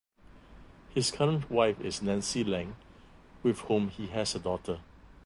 His current wife is Nancy Lange, with whom he has a daughter.